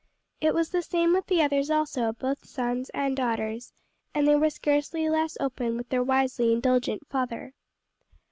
It was the same with the others also both sons and daughters; and they were scarcely less open with their wisely indulgent father.